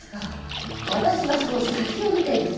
私はその先を見ています。